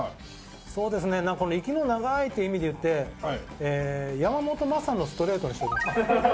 そうですね息の長いっていう意味でいって山本昌のストレートにしておきます。